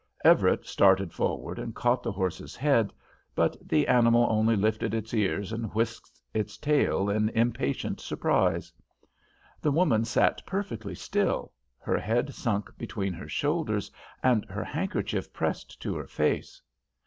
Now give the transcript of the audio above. Everett started forward and caught the horse's head, but the animal only lifted its ears and whisked its tail in impatient surprise. The woman sat perfectly still, her head sunk between her shoulders and her handkerchief pressed to her face.